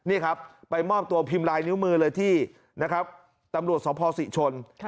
นี่ครับไปมอบตัวพิมพ์ลายนิ้วมือเลยที่นะครับตำรวจสภศรีชน